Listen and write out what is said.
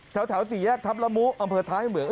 แถวสี่แยกทัพละมุอำเภอท้ายเหมือง